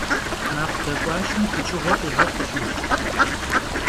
Makh dek'uaşşem pıçığue khiğexhurkhım.